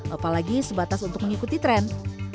apalagi sebatas untuk mengikuti tren